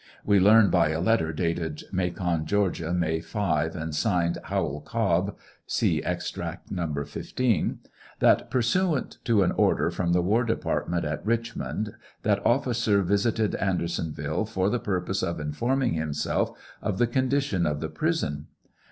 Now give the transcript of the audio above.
We learn by a letter, dated Macon, Georgia, May 5, and signed Howell Cobb, (see Extract No. 15,) that pursuant to an order from the war department at Richmond that officer visited Andersonvillc for the purpose of informing himself of the condition of the prison.